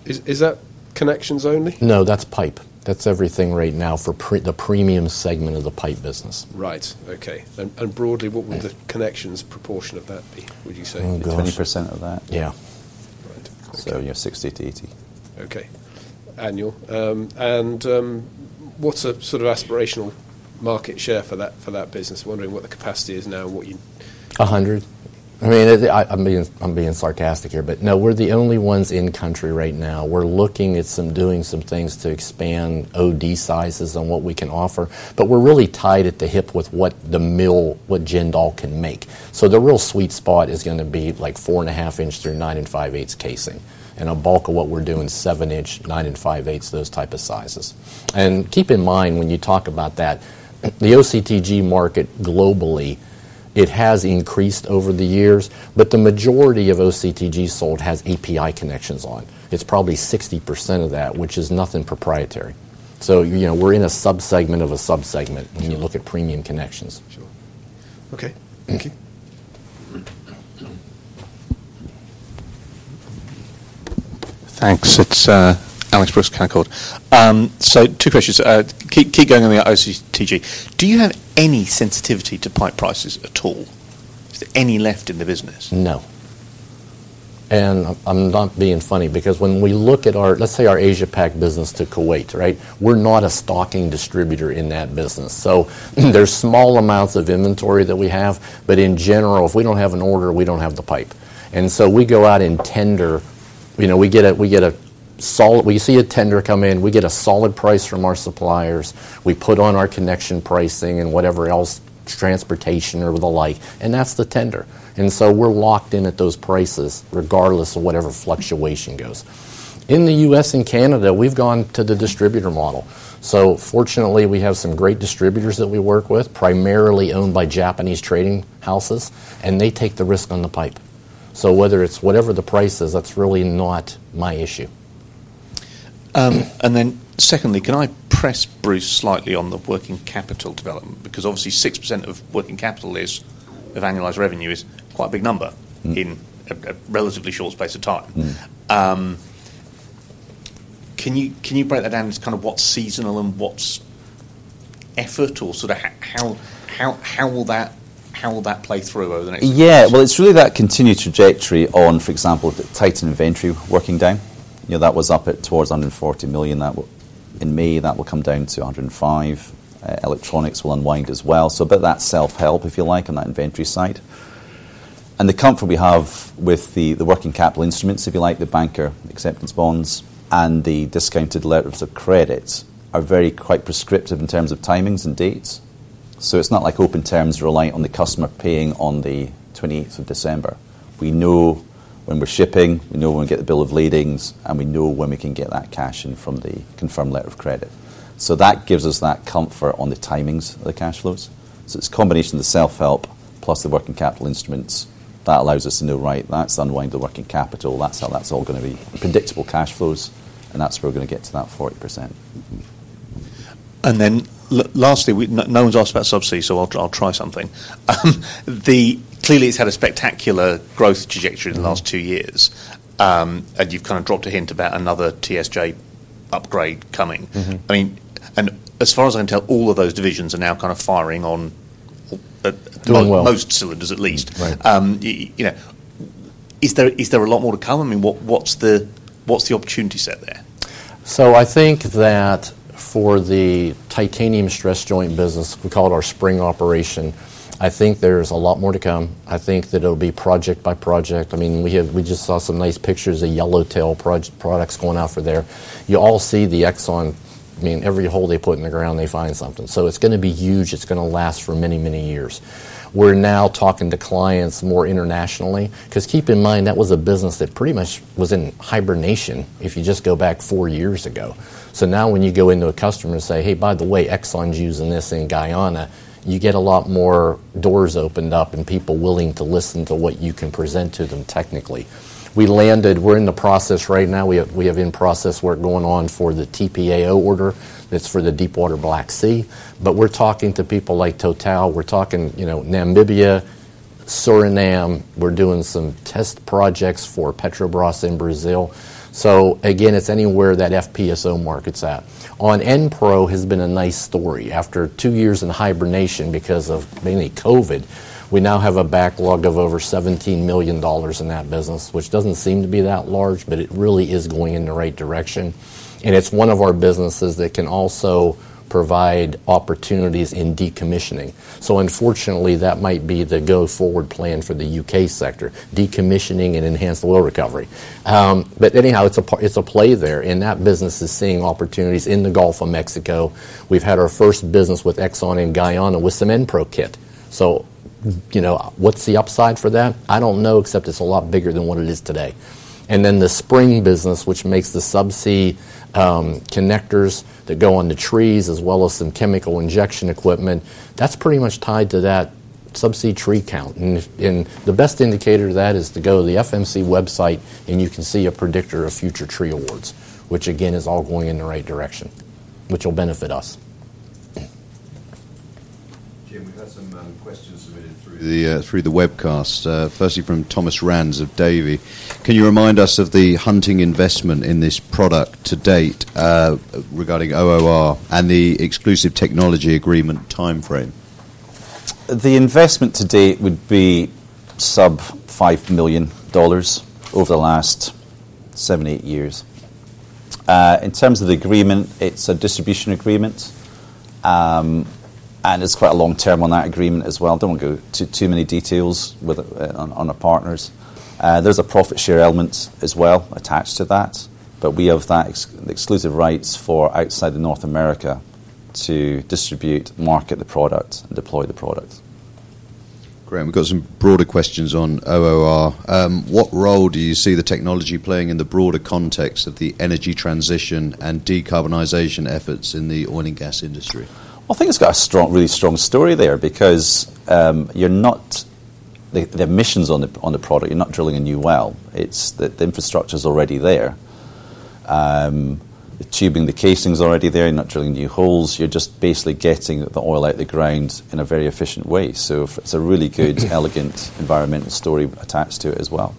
Is that connections only? No, that's pipe. That's everything right now for the premium segment of the pipe business. Right. Okay. And broadly- Yeah... what would the connections proportion of that be, would you say? Oh, gosh. 20% of that. Yeah. Right. You know, 60 to 80. Okay. Annual. And what's a sort of aspirational market share for that, for that business? I'm wondering what the capacity is now and what you- A hundred. I mean, I'm being sarcastic here, but no, we're the only ones in country right now. We're looking at doing some things to expand OD sizes on what we can offer, but we're really tied at the hip with what the mill, what Jindal can make. So the real sweet spot is gonna be, like, four and a half inch through nine and five eighths casing. And a bulk of what we're doing, seven inch, nine and five eighths, those type of sizes. And keep in mind, when you talk about that, the OCTG market globally, it has increased over the years, but the majority of OCTG sold has API connections on. It's probably 60% of that, which is nothing proprietary. So, you know, we're in a subsegment of a subsegment- Mm-hmm... when you look at premium connections. Sure. Okay. Mm-hmm. Thanks. It's Alex Brooks, Canaccord. So two questions. Keep going on the OCTG. Do you have any sensitivity to pipe prices at all? Is there any left in the business? No, I'm not being funny because when we look at our, let's say, our Asia Pac business to Kuwait, right? We're not a stocking distributor in that business. So there's small amounts of inventory that we have, but in general, if we don't have an order, we don't have the pipe. And so we go out and tender. You know, we see a tender come in, we get a solid price from our suppliers, we put on our connection pricing and whatever else, transportation or the like, and that's the tender. And so we're locked in at those prices regardless of whatever fluctuation goes. In the U.S. and Canada, we've gone to the distributor model. So fortunately, we have some great distributors that we work with, primarily owned by Japanese trading houses, and they take the risk on the pipe. So whether it's whatever the price is, that's really not my issue. and then secondly, can I press Bruce slightly on the working capital development? Because obviously, 6% of working capital is, of annualized revenue, quite a big number- Mm... in a relatively short space of time. Mm. Can you break that down into kind of what's seasonal and what's effort or sort of how will that play through over the next- Yeah. Well, it's really that continued trajectory on, for example, the Titan inventory working down. You know, that was up towards under forty million. That will—in May, that will come down to hundred and five. Electronics will unwind as well. So a bit of that self-help, if you like, on that inventory side. And the comfort we have with the working capital instruments, if you like, the banker's acceptance bonds and the discounted letters of credit, are very quite prescriptive in terms of timings and dates. So it's not like open terms reliant on the customer paying on the twenty-eighth of December. We know when we're shipping, we know when we get the bills of lading, and we know when we can get that cash in from the confirmed letter of credit. So that gives us that comfort on the timings of the cash flows. So it's a combination of the self-help plus the working capital instruments that allows us to know, right, that's unwind the working capital. That's how that's all gonna be predictable cash flows, and that's where we're gonna get to that 40%. Mm-hmm. And then lastly, no, no one's asked about Subsea, so I'll try something. Clearly, it's had a spectacular growth trajectory- Mm... in the last two years, and you've kind of dropped a hint about another TSJ upgrade coming. Mm-hmm. I mean, and as far as I can tell, all of those divisions are now kind of firing on Doing well... most cylinders at least. Right. You know, is there a lot more to come? I mean, what's the opportunity set there? I think that for the titanium stress joint business, we call it our Subsea operation. I think there's a lot more to come. I think that it'll be project by project. I mean, we have. We just saw some nice pictures of Yellowtail products going out for there. You all see the ExxonMobil. I mean, every hole they put in the ground, they find something. So it's gonna be huge. It's gonna last for many, many years. We're now talking to clients more internationally, 'cause keep in mind, that was a business that pretty much was in hibernation if you just go back four years ago. So now when you go into a customer and say, "Hey, by the way, ExxonMobil's using this in Guyana," you get a lot more doors opened up and people willing to listen to what you can present to them technically. We landed. We're in the process right now. We have in-process work going on for the TPAO order. That's for the deep water Black Sea. But we're talking to people like Total, we're talking, you know, Namibia, Suriname. We're doing some test projects for Petrobras in Brazil. So again, it's anywhere that FPSO market's at. Enpro has been a nice story. After two years in hibernation because of mainly COVID, we now have a backlog of over $17 million in that business, which doesn't seem to be that large, but it really is going in the right direction, and it's one of our businesses that can also provide opportunities in decommissioning. So unfortunately, that might be the go-forward plan for the U.K. sector, decommissioning and enhanced oil recovery. But anyhow, it's a play there, and that business is seeing opportunities in the Gulf of Mexico. We've had our first business with Exxon in Guyana with some Enpro kit. So, you know, what's the upside for that? I don't know, except it's a lot bigger than what it is today. And then the Spring business, which makes the subsea connectors that go on the trees, as well as some chemical injection equipment, that's pretty much tied to that subsea tree count. And the best indicator of that is to go to the FMC website, and you can see a predictor of future tree awards, which, again, is all going in the right direction, which will benefit us. Jim, we've had some questions submitted through the webcast, firstly from Thomas Rands of Davy. Can you remind us of the Hunting investment in this product to date, regarding OOR and the exclusive technology agreement timeframe? The investment to date would be sub $5 million over the last seven, eight years. In terms of the agreement, it's a distribution agreement, and it's quite long-term on that agreement as well. I don't wanna go into too many details with on our partners. There's a profit share element as well attached to that, but we have that exclusive rights for outside of North America to distribute, market the product, and deploy the product. Great. We've got some broader questions on OOR. What role do you see the technology playing in the broader context of the energy transition and decarbonization efforts in the oil and gas industry? I think it's got a strong, really strong story there because the emissions on the product, you're not drilling a new well. It's the infrastructure's already there. The tubing, the casing is already there. You're not drilling new holes. You're just basically getting the oil out the ground in a very efficient way. So it's a really good, elegant environmental story attached to it as well.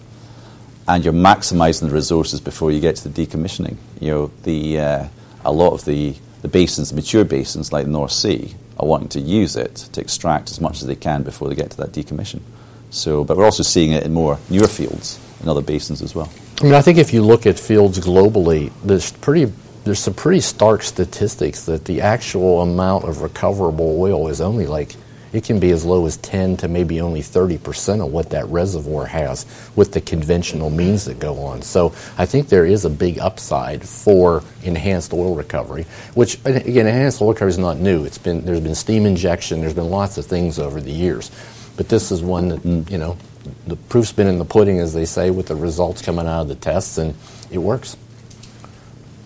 And you're maximizing the resources before you get to the decommissioning. You know, a lot of the basins, mature basins like North Sea, are wanting to use it to extract as much as they can before they get to that decommission. So, but we're also seeing it in more newer fields in other basins as well. I mean, I think if you look at fields globally, there's some pretty stark statistics that the actual amount of recoverable oil is only like, it can be as low as 10 to maybe only 30% of what that reservoir has with the conventional means that go on. So I think there is a big upside for enhanced oil recovery, which, again, enhanced oil recovery is not new. It's been. There's been steam injection, there's been lots of things over the years. But this is one that, you know, the proof's been in the pudding, as they say, with the results coming out of the tests, and it works.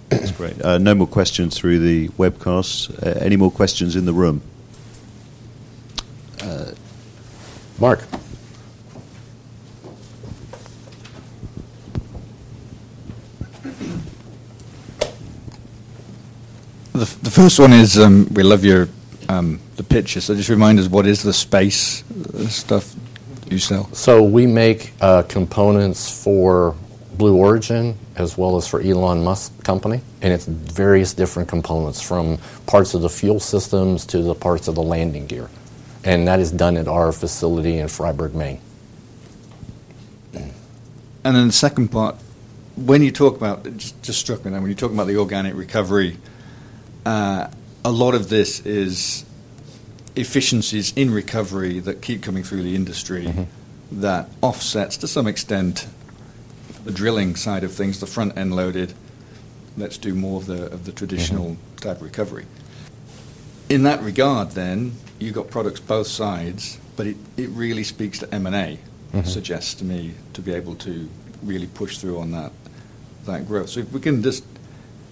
That's great. No more questions through the webcast. Any more questions in the room? Uh, Mark. The first one is, we love your, the pitch. So just remind us, what is the space stuff you sell? So we make components for Blue Origin as well as for Elon Musk's company, and it's various different components, from parts of the fuel systems to the parts of the landing gear, and that is done at our facility in Fryeburg, Maine. And then the second part, when you talk about... It just struck me now. When you talk about the organic recovery, a lot of this is efficiencies in recovery that keep coming through the industry- Mm-hmm... that offsets, to some extent, the drilling side of things, the front-end loaded, let's do more of the traditional- Mm-hmm -type recovery. In that regard, then, you got products both sides, but it really speaks to M&A- Mm-hmm It suggests to me, to be able to really push through on that, that growth. So if we can just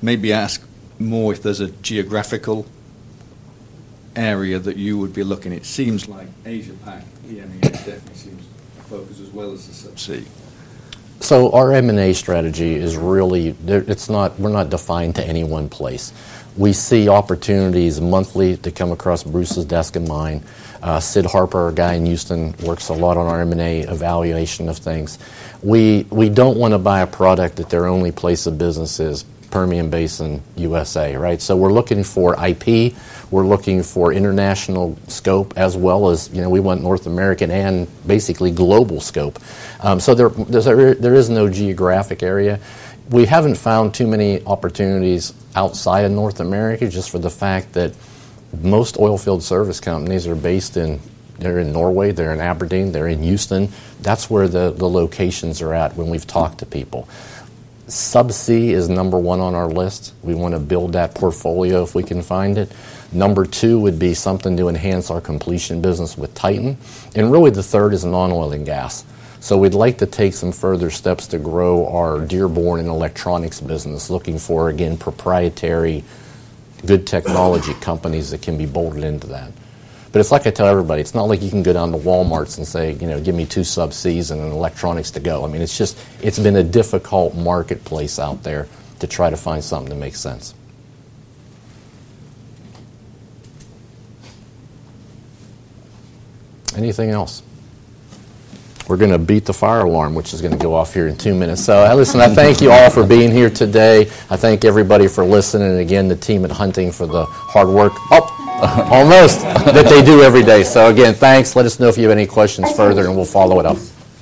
maybe ask more, if there's a geographical area that you would be looking at. It seems like Asia-Pac, EMEA definitely seems focused as well as the subsea. So our M&A strategy is really, there, it's not—we're not defined to any one place. We see opportunities monthly to come across Bruce's desk and mine. Sid Harper, a guy in Houston, works a lot on our M&A evaluation of things. We don't want to buy a product that their only place of business is Permian Basin, U.S.A, right? So we're looking for IP, we're looking for international scope, as well as, you know, we want North American and basically global scope. So there is no geographic area. We haven't found too many opportunities outside of North America, just for the fact that most oilfield service companies are based in... They're in Norway, they're in Aberdeen, they're in Houston. That's where the locations are at when we've talked to people. Subsea is number one on our list. We wanna build that portfolio if we can find it. Number two would be something to enhance our completion business with Titan. And really, the third is non-oil and gas. So we'd like to take some further steps to grow our Dearborn and electronics business, looking for, again, proprietary, good technology companies that can be bolted into that. But it's like I tell everybody, it's not like you can go down to Walmart and say, you know, "Give me two subseas and an electronics to go." I mean, it's just, it's been a difficult marketplace out there to try to find something that makes sense. Anything else? We're gonna beat the fire alarm, which is gonna go off here in two minutes. So listen, I thank you all for being here today. I thank everybody for listening, and again, the team at Hunting for the hard work - Oh! Almost. that they do every day. So again, thanks. Let us know if you have any questions further, and we'll follow it up.